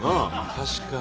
確かに。